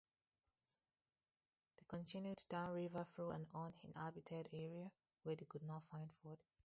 They continued downriver through an uninhabited area, where they could not find food.